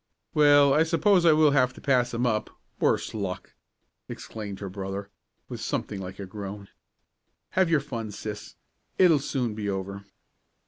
"Well, I suppose I will have to pass 'em up worse luck!" exclaimed her brother, with something like a groan. "Have your fun, sis. It'll soon be over."